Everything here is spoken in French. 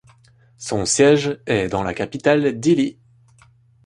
Son siège est dans la capitale Dili.